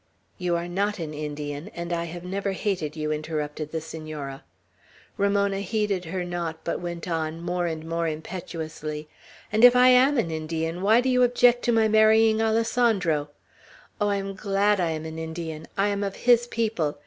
"You are not an Indian, and I have never hated you," interrupted the Senora. Ramona heeded her not, but went on, more and more impetuously. "And if I am an Indian, why do you object to my marrying Alessandro? Oh, I am glad I am an Indian! I am of his people.